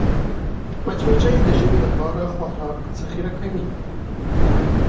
مچمچۍ د ژمي لپاره خوراک ذخیره کوي